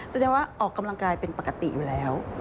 แสดงว่าออกกำลังกายเป็นปกติอยู่แล้ว